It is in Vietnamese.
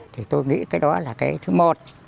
thì tôi nghĩ cái đó là cái thứ một